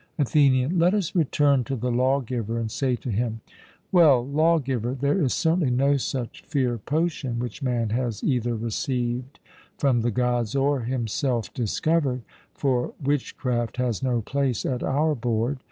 ATHENIAN: Let us return to the lawgiver, and say to him: 'Well, lawgiver, there is certainly no such fear potion which man has either received from the Gods or himself discovered; for witchcraft has no place at our board.